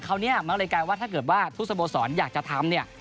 คราวนี้มันก็เลยกลายว่าถ้าเกิดว่าทุกสโมสรอยากจะทำเนี่ย